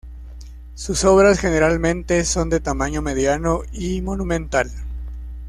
Sus obras generalmente son de tamaño mediano y monumental.